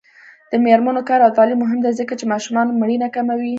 د میرمنو کار او تعلیم مهم دی ځکه چې ماشومانو مړینه کموي.